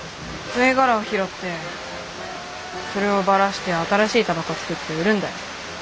吸い殻を拾ってそれをばらして新しい煙草作って売るんだよ。